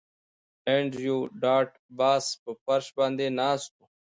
انډریو ډاټ باس په فرش باندې ناست و